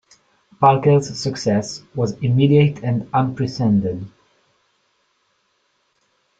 Parker's success was immediate and unprecedented.